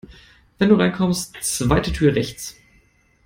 Wenn du reinkommst, zweite Tür rechts.